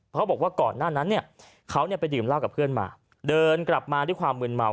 เขาบอกว่าก่อนหน้านั้นเนี่ยเขาไปดื่มเหล้ากับเพื่อนมาเดินกลับมาด้วยความมืนเมา